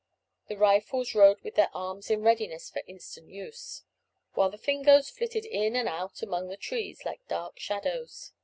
The Rifles rode with their arms in readiness for instant use, while the Fingoes flitted in and out among the trees like dark shadows.